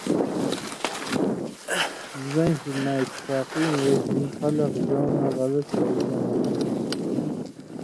زَیں ݜُو نااتفاقی وجہۡ ہِن خلک زؤں نہ غلط فائدہ ہراں تھو۔